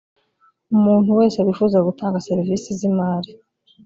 umuntu wese wifuza gutanga serivisi z imari